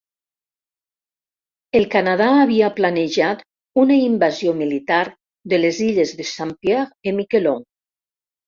El Canadà havia planejat una invasió militar de les illes de Saint-Pierre-et-Miquelon.